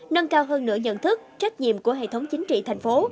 nâng cao hơn nửa nhận thức trách nhiệm của hệ thống chính trị thành phố